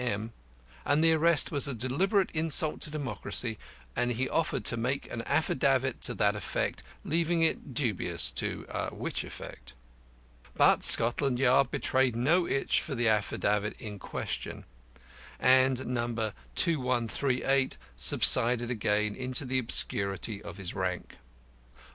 M., and the arrest was a deliberate insult to democracy, and he offered to make an affidavit to that effect, leaving it dubious to which effect. But Scotland Yard betrayed no itch for the affidavit in question, and No. 2138 subsided again into the obscurity of his rank.